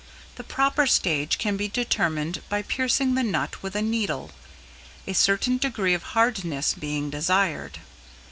The proper stage can be determined by piercing the nut with a needle, a certain degree of hardness being desired.